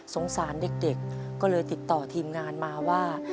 สงสารเด็กก็เลยติดต่อทีมงานมาว่า